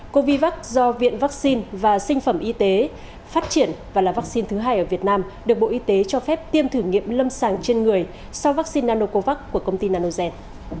covax do viện vaccine và sinh phẩm y tế phát triển và là vaccine thứ hai ở việt nam được bộ y tế cho phép tiêm thử nghiệm lâm sàng trên người sau vaccine nanocovax của công ty nanogen